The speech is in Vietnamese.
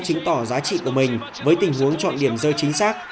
chứng tỏ giá trị của mình với tình huống chọn điểm rơi chính xác